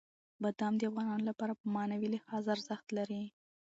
بادام د افغانانو لپاره په معنوي لحاظ ارزښت لري.